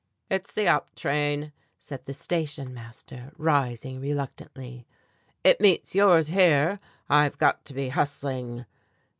"It's the up train," said the station master, rising reluctantly; "it meets yours here. I've got to be hustling."